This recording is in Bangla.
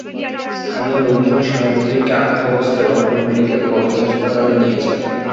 স্থানীয় লোকজন শাহাবুদ্দিনকে আহত অবস্থায় রংপুর মেডিকেল কলেজ হাসপাতালে নিয়ে যান।